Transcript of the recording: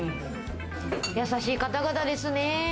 やさしい方々ですね。